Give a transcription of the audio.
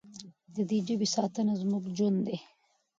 د دې ژبې ساتنه زموږ ژوند دی.